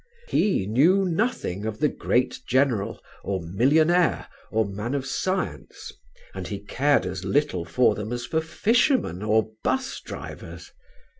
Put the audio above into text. He knew nothing of the great general or millionaire or man of science, and he cared as little for them as for fishermen or 'bus drivers.